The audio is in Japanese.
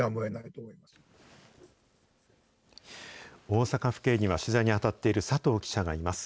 大阪府警には、取材に当たっている佐藤記者がいます。